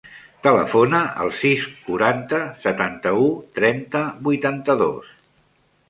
Telefona al sis, quaranta, setanta-u, trenta, vuitanta-dos.